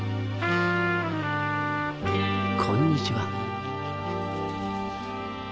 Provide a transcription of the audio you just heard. こんにちは。